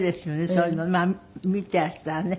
そういうのまあ見ていらしたらね。